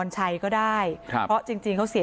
ชั่วโมงตอนพบศพ